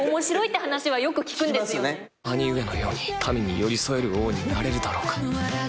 「兄上のように民に寄り添える王になれるだろうか」